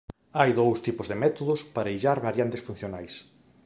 Hai dous tipos de métodos para illar variantes funcionais.